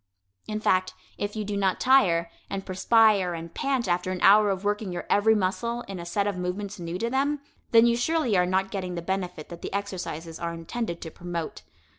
In fact, if you do not tire, and perspire and pant after an hour of working your every muscle in a set of movements new to them, then you surely are not getting the benefit that the exercises are intended to promote.